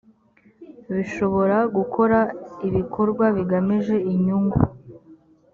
bishobora gukora ibikorwa bigamije inyungu